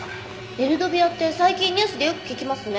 エルドビアって最近ニュースでよく聞きますね。